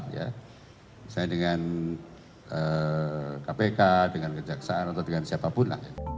misalnya dengan kpk dengan kejaksaan atau dengan siapapun